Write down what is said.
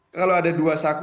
kalau ada dua saku